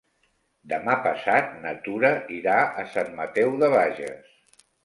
Demà passat na Tura irà a Sant Mateu de Bages.